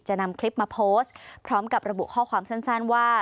นำคลิปมาโพสต์พร้อมกับระบุข้อความสั้นว่า